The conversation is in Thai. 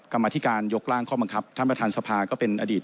กรรมธิการยกร่างข้อบังคับท่านประธานสภาก็เป็นอดีต